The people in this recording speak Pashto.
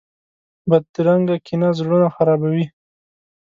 بدرنګه کینه زړونه خرابوي